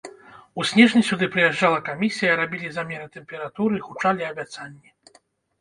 У снежні сюды прыязджала камісія, рабілі замеры тэмпературы, гучалі абяцанні.